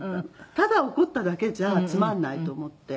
ただ怒っただけじゃつまんないと思って。